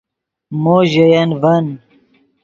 مو ژے ین ڤن